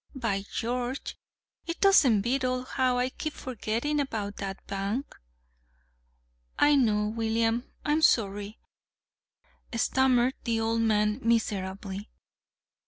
By George! It does beat all how I keep forgetting about that bank!" "I know, William, I'm sorry," stammered the old man miserably.